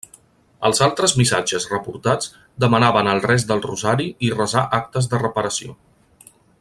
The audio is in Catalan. Els altres missatges reportats demanaven el rés del rosari i resar Actes de Reparació.